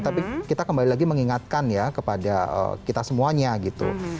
tapi kita kembali lagi mengingatkan ya kepada kita semuanya gitu